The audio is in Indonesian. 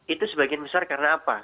itu sebagian besar karena apa